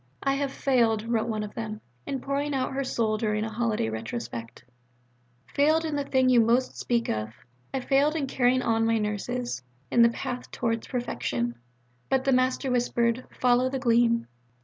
"I have failed," wrote one of them, in pouring out her soul during a holiday retrospect, "failed in the thing you most speak of, failed in carrying on my Nurses 'in the path towards perfection.'" "But the Master whisper'd, 'Follow the Gleam.'"